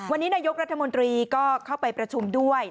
วันนี้นายกรัฐมนตรีก็เข้าไปประชุมด้วย